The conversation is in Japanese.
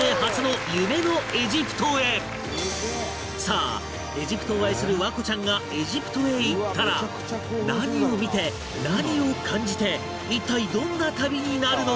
さあエジプトを愛する環子ちゃんがエジプトへ行ったら何を見て何を感じて一体どんな旅になるのか？